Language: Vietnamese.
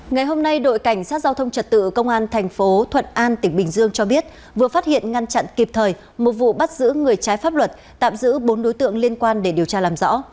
ngày hôm nay đội cảnh sát giao thông trật tự công an thành phố thuận an tỉnh bình dương cho biết vừa phát hiện ngăn chặn kịp thời một vụ bắt giữ người trái pháp luật tạm giữ bốn đối tượng liên quan để điều tra làm rõ